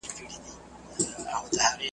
د اټک د سیند موجوکي .